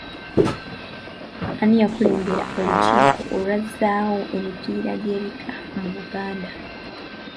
Ani yakulembera olukiiko olwazzaawo emipiira gy’ebika mu Buganda?